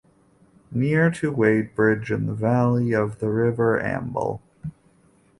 Near to Wadebridge in the valley of the River Amble.